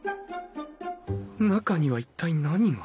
中には一体何が？